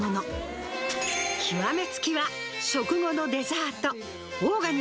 極めつきは食後のデザート。